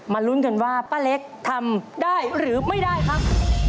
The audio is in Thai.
ลุ้นกันว่าป้าเล็กทำได้หรือไม่ได้ครับ